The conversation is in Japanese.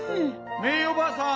メイおばあさん！